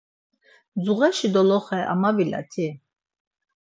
Zuğaşi doloxe amabilati?